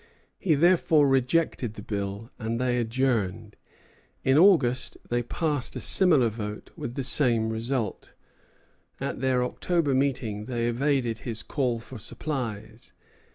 He therefore rejected the bill, and they adjourned. In August they passed a similar vote, with the same result. At their October meeting they evaded his call for supplies.